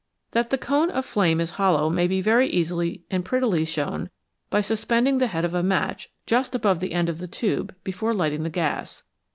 That the cone of flame is hollow may be very easily and prettily shown by suspending the head of a match just above the end of the tube before lighting the gas.